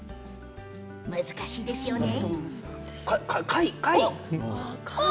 難しいですよね。